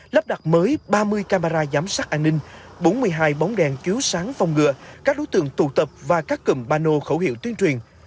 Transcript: lắp đặt mới ba mươi camera giám sát an ninh bốn mươi hai bóng đèn chiếu sáng phòng ngừa các đối tượng tụ tập và các cầm bà nô khẩu hiệu tuyên truyền